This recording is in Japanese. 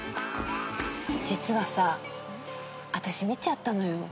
実はさ私見ちゃったのよ。